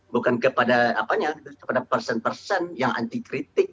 bukan kepada person person yang anti kritik